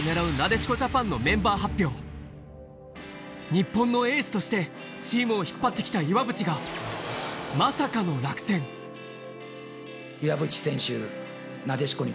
日本のエースとしてチームを引っ張ってきた岩渕がを考えて。